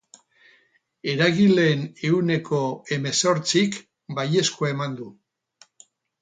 Eragileen ehuneko hemezortzik baiezkoa eman du.